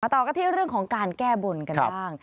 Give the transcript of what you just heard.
ต่อกันที่เรื่องของการแก้บนกันบ้าง